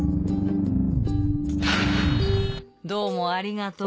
どうもありがとう。